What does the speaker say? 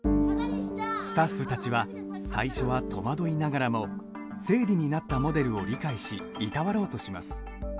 スタッフたちは最初は戸惑いながらも生理になったモデルを理解しいたわろうとします。